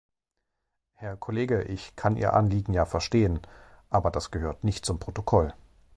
Herr Kollege, ich kann Ihr Anliegen ja verstehen, aber das gehört nicht zum Protokoll!